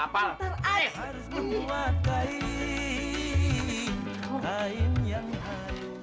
pada yang lain